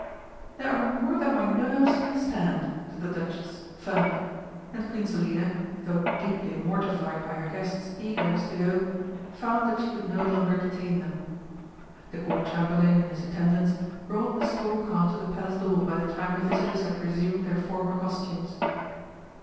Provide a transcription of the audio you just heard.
"There are more than my nerves can stand," said the Duchess, firmly, and Queen Selina, though deeply mortified by her guests' eagerness to go, found that she could no longer detain them. The Court Chamberlain and his attendants brought the stork car to the palace door by the time the visitors had resumed their former costumes.